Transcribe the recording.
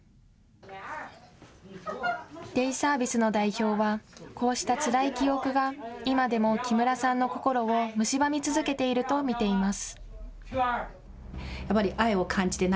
デイサービスの代表はこうしたつらい記憶が今でも木村さんの心をむしばみ続けていると見ています。